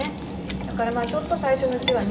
だからちょっと最初のうちはね